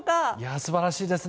素晴らしいですね。